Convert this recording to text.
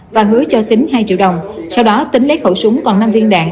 và hứa cho tính hai triệu đồng sau đó tính lấy khẩu súng còn năm viên đạn